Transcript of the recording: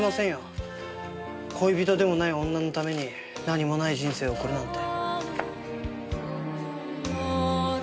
恋人でもない女のために何もない人生を送るなんて。